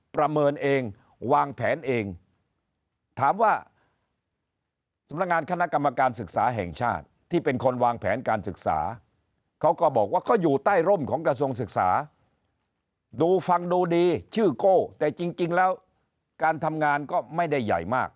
ประเมินเองวางแผนเองถามว่าสำนักงานคณะกรรมการศึกษาแห่งชาติที่เป็นคนวางแผนการศึกษาเขาก็บอกว่าก็อยู่ใต้ร่มของกระทรวงศึกษาดูฟังดูดีชื่อโก้แต่จริงแล้วการทำงานก็ไม่ได้ใหญ่มาก